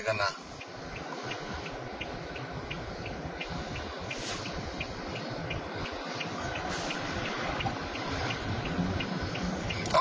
เอ้า